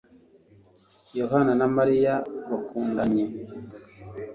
Yohana na Mariya bakundanye